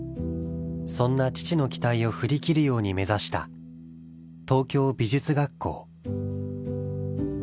そんな父の期待を振り切るように目指した東京美術学校